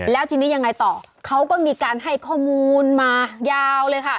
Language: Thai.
แล้วทีนี้ยังไงต่อเขาก็มีการให้ข้อมูลมายาวเลยค่ะ